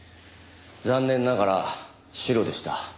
残念ながらシロでした。